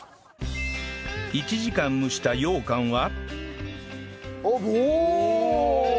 １時間蒸したようかんはうおお！